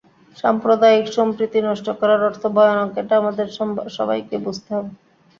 সাম্প্রদায়িক সম্প্রীতি নষ্ট করার অর্থ ভয়ানক, এটা আমাদের সবাইকে বুঝতে হবে।